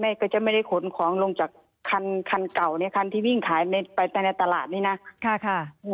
ก็จะไม่ได้ขนของลงจากคันเก่าเนี่ยคันที่วิ่งขายไปในตลาดนี่นะ